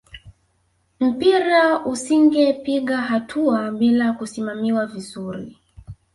mpira usingepiga hatua bila kusimamiwa vizuri